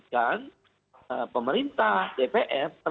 maka kita akan melakukan aksi aksi